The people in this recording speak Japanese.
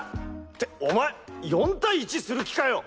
ってお前４対１する気かよ！